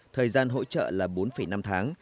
thời gian hỗ trợ là bốn năm tháng